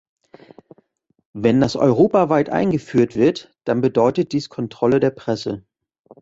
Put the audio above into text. Wenn das europaweit eingeführt wird, dann bedeutet dies Kontrolle der Presse.